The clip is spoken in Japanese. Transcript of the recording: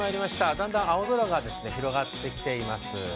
だんだん青空が広がってきています。